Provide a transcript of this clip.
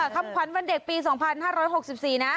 คำขวัญวันเด็กปี๒๕๖๔นะ